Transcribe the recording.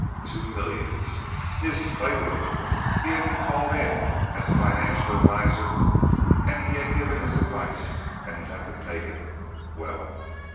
Two millions! His to play with! He had been called in as a financial adviser, and he had given his advice and it had been taken! Well.